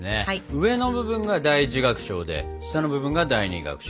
上の部分が第一楽章で下の部分が第二楽章。